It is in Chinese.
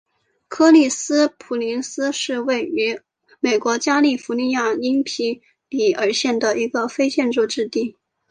柯立芝斯普林斯是位于美国加利福尼亚州因皮里尔县的一个非建制地区。